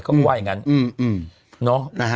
เขาก็ว่าอย่างนั้น